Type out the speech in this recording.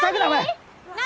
何？